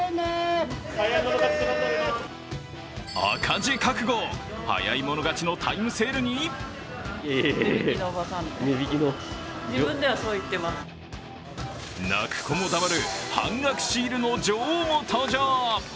赤字覚悟、早い者勝ちのタイムセールに泣く子も黙る半額シールの女王も登場。